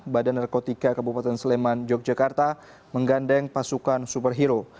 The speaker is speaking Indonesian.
badan narkotika kabupaten sleman yogyakarta menggandeng pasukan superhero